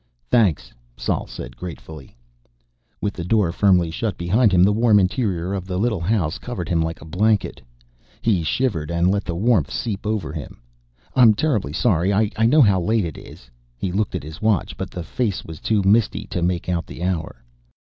"Thanks," Sol said gratefully. With the door firmly shut behind him, the warm interior of the little house covered him like a blanket. He shivered, and let the warmth seep over him. "I'm terribly sorry. I know how late it is." He looked at his watch, but the face was too misty to make out the hour.